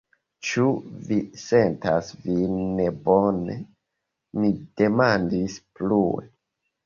Ĉu vi sentas vin nebone? mi demandis plue.